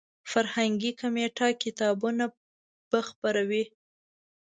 فرهنګي کمیټه کتابونه به خپروي.